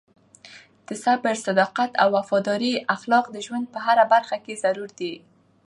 د صبر، صداقت او وفادارۍ اخلاق د ژوند په هره برخه کې ضروري دي.